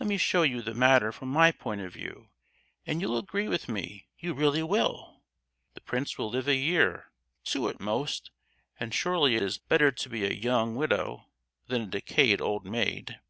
Let me show you the matter from my point of view, and you'll agree with me—you really will! The prince will live a year—two at most; and surely it is better to be a young widow than a decayed old maid!